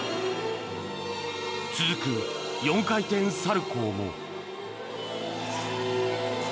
続く４回転サルコウも。